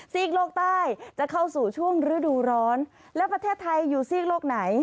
โลกใต้จะเข้าสู่ช่วงฤดูร้อนและประเทศไทยอยู่ซีกโลกไหน